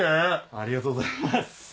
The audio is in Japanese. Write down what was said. ありがとうございます。